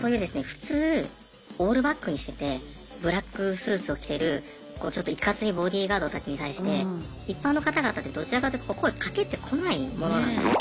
普通オールバックにしててブラックスーツを着てるちょっといかついボディーガードたちに対して一般の方々ってどちらかというと声かけてこないものなんですね。